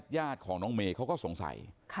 ญาติของน้องเมย์เขาก็สงสัย